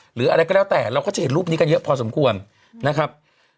หรืออะไรก็แล้วแต่เราก็จะเห็นรูปนี้กันเยอะพอสมควรนะครับ